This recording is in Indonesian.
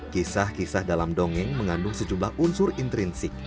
kisah kisah dalam dongeng mengandung sejumlah unsur intrinsik